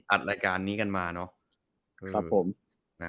อัดรายการนี้กันมาเนอะ